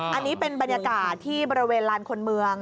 อันนี้เป็นบรรยากาศที่บริเวณลานคนเมือง